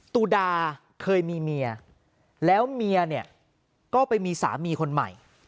ตุดาเคยมีเมียแล้วเมียเนี่ยก็ไปมีสามีคนใหม่